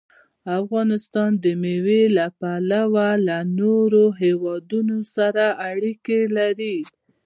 افغانستان د مېوې له پلوه له نورو هېوادونو سره اړیکې لري.